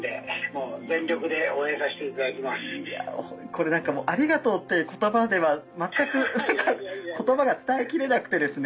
これ何かもう「ありがとう」って言葉では全く言葉が伝えきれなくてですね。